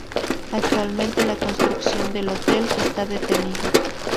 Actualmente la construcción del hotel está detenida.